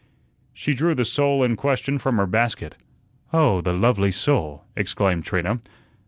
She drew the sole in question from her basket. "Oh, the lovely sole!" exclaimed Trina.